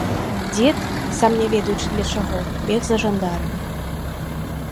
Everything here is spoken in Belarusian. Дзед, сам не ведаючы для чаго, бег за жандарамі.